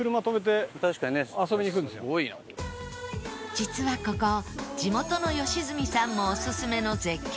実はここ地元の良純さんもオススメの絶景